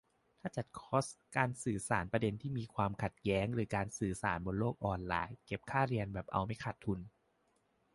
ถ้าจัดคอร์ส การสื่อสารประเด็นที่มีความขัดแย้ง หรือการสื่อสารบนโลกออนไลน์ เก็บค่าเรียนแบบเอาไม่ขาดทุน